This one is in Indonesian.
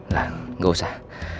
gak gak usah